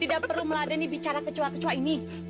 tidak perlu meladani bicara kecua kecua ini